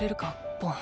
ボン。